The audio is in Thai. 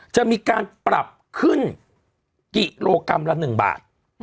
จะมีการปรับขึ้นกิโลกรัมละ๑บาท